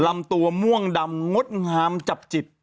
ลำตัวม่วงดำงดงามจับจิต